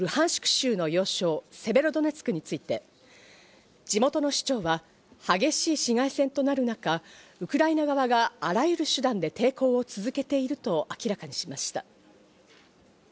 州の要衝セベロドネツクについて、地元の市長は、激しい市街戦となる中、ウクライナ側があらゆる手段で抵抗を続けていると明らかにしました。